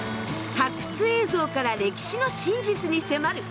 発掘映像から歴史の真実に迫る。